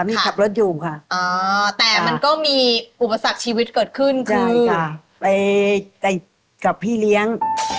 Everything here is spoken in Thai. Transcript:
มีขับรถอยู่ค่ะแต่มันก็มีอุปสรรคชีวิตเกิดขึ้นใช่ค่ะไปกับพี่เลี้ยง